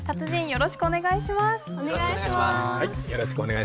よろしくお願いします。